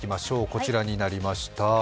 こちらになりました。